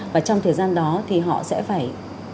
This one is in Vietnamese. và trong thời gian đó thì họ sẽ phải